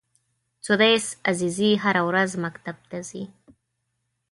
سُدیس عزیزي هره ورځ مکتب ته ځي.